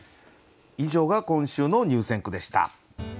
以上が今週の入選句でした。